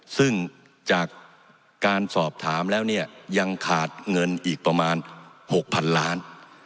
ซึ่งจากการสอบถามแล้วเนี่ยยังขาดเงินอีกประมาณ๖๐๐๐ล้าน